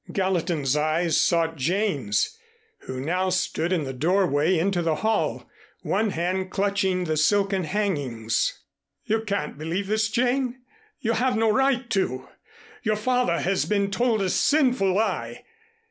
Gallatin's eyes sought Jane's, who now stood in the doorway into the hall, one hand clutching the silken hangings. "You can't believe this, Jane? You have no right to. Your father has been told a sinful lie.